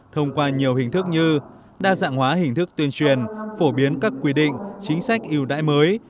thông qua nhiều hình thức như đa dạng hóa hình thức tuyên truyền phổ biến các quy định chính sách yêu đại mới